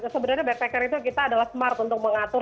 sebenarnya backpacker itu kita adalah smart untuk mengatur